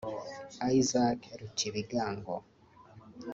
Isaac Ruccibigango